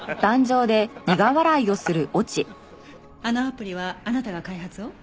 あのアプリはあなたが開発を？